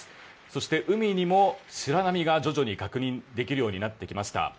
そして海にも白波が徐々に確認できるようになってきました。